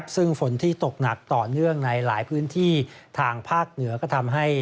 ซึ่งฝนที่ตกหนักต่อเนื่องในหลายพื้นที่ทางภาคเหนือก็ทำให้